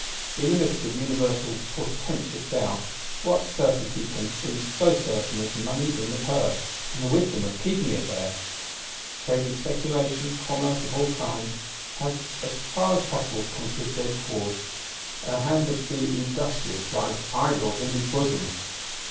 In the midst of universal portentous doubt, what certainty can seem so certain as money in the purse, and the wisdom of keeping it there? Trading Speculation, Commerce of all kinds, has as far as possible come to a dead pause; and the hand of the industrious lies idle in his bosom.